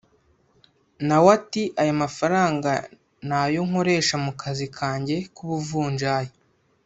Nawe ati ‘aya mafaranga ni ayo nkoresha mu kazi kanjye k’ubuvunjayi